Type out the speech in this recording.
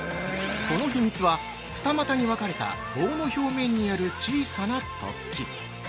その秘密は、二股に分かれた棒の表面にある小さな突起。